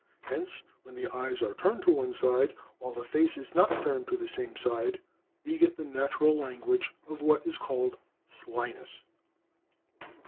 Hence, when the eyes are turned to one side, while the face is not turned to the same side, we get the natural language of what is called slyness."